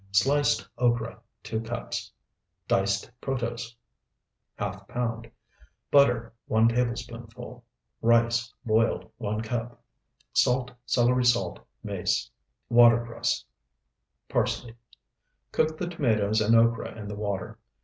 Sliced okra, 2 cups. Diced protose, ½ pound. Butter, 1 tablespoonful. Rice, boiled, 1 cup. Salt, celery salt, mace. Watercress, parsley. Cook the tomatoes and okra in the water.